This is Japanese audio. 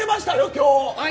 今日。